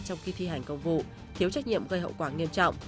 trong khi thi hành công vụ thiếu trách nhiệm gây hậu quả nghiêm trọng